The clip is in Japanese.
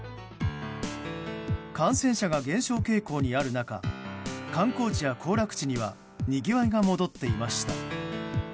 感染者が減少傾向にある中観光地や行楽地にはにぎわいが戻っていました。